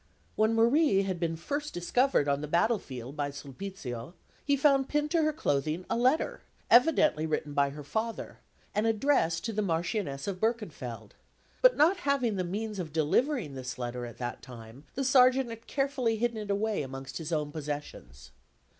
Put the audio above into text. When Marie had been first discovered on the battlefield by Sulpizio, he found pinned to her clothing a letter, evidently written by her father, and addressed to the Marchioness of Berkenfeld; but not having the means of delivering this letter at that time, the Sergeant had carefully hidden it away amongst his own possessions.